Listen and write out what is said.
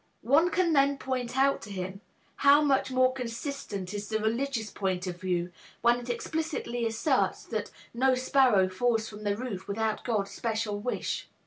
One can then point out to him how much more consistent is the religious point of view, when it explicitly asserts that "No sparrow falls from the roof without God's special wish."